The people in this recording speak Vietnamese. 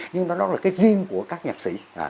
nhưng đó là cái riêng của các nhạc sĩ